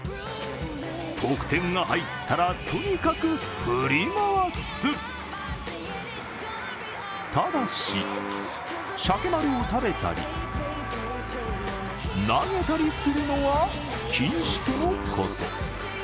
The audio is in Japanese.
得点が入ったら、とにかく振り回すただし、しゃけまるを食べたり、投げたりするのは禁止とのこと。